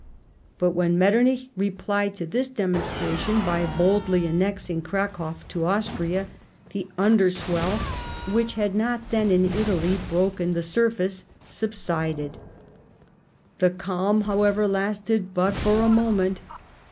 But when Metter nich replied to this demonstration by boldly annexing Cracow to Austria, the under swell, which had not then in Italy broken the surface, subsided. The calm, how over, lasted but for a moment.